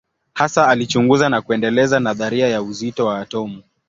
Hasa alichunguza na kuendeleza nadharia ya uzito wa atomu.